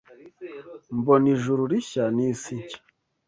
Mbona ijuru rishya n’isi nshya,